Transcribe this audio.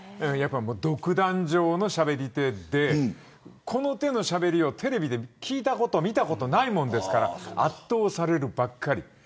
独壇場のしゃべり手でこの手のしゃべりをテレビで聞いたこと見たことないもんですから圧倒されるばかり。